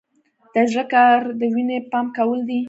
د زړه کار د وینې پمپ کول دي